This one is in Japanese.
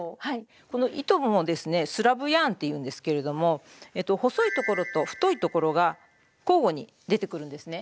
この糸もですね「スラブヤーン」っていうんですけれども細いところと太いところが交互に出てくるんですね。